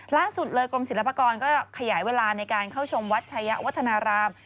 ล่าสุดเลยกรมศิลปากรก็ขยายเวลาในการเข้าชมวัดชายะวัฒนาราม